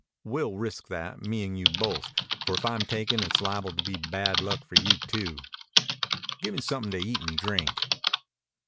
"We'll risk that, me 'n' you both, for if I'm taken it's liable to be bad luck for you too.... Gimme something to eat and drink."